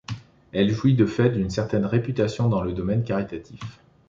Elle jouit de fait d'une certaine réputation dans le domaine caritatif.